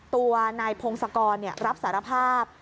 ตัวนายพงศกรรับสารภาพ